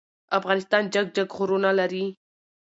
افغانستان جګ جګ غرونه لری.